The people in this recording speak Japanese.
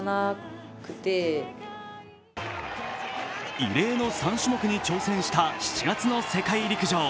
異例の３種目に挑戦した７月の世界陸上。